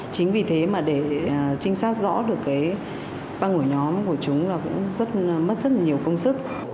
chính vì thế mà để trinh sát rõ được cái băng của nhóm của chúng là cũng mất rất nhiều công sức